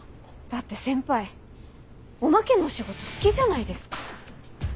だって先輩おまけの仕事好きじゃないですか。